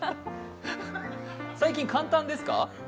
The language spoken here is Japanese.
最近簡単ですか？